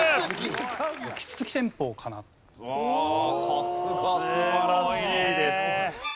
さすが！素晴らしいです！